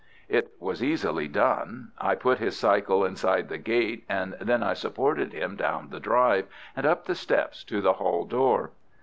It was easily done. I put his cycle inside the gate, and then I supported him down the drive, and up the steps to the hall door.